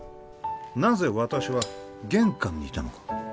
なぜ私は玄関にいたのか？